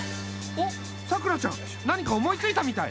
おっさくらちゃん何か思いついたみたい。